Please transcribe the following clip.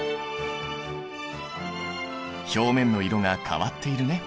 表面の色が変わっているね。